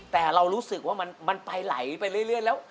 แต่เรารู้สึกว่ามันไปไหลไปเรื่อยแล้ว